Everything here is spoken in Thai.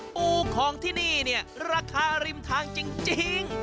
ปูของที่นี่เนี่ยราคาริมทางจริง